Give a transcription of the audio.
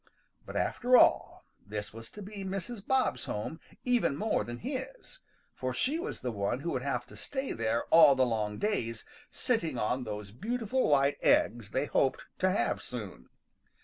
But, after all, this was to be Mrs. Bob's home even more than his, for she was the one who would have to stay there all the long days sitting on those beautiful white eggs they hoped to have soon.